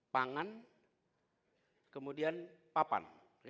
pangan kemudian papan